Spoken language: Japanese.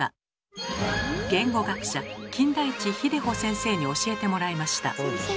言語学者・金田一秀穂先生に教えてもらいました。